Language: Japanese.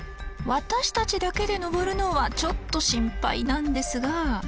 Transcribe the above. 私たちだけで登るのはちょっと心配なんですが。